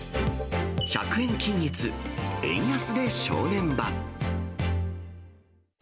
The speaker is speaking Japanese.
１００円均一、円安で正念場。